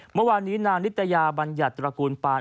เมื่อวานนี้นางนิตยาบัญญัติตระกูลปาน